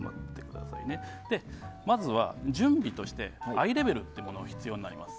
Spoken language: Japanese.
まずは、準備としてアイレベルというものが必要になります。